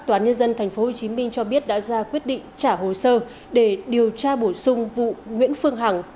tòa án nhân dân tp hcm cho biết đã ra quyết định trả hồ sơ để điều tra bổ sung vụ nguyễn phương hằng